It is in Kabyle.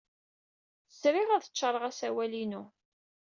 Sriɣ ad d-ččaṛeɣ asawal-inu.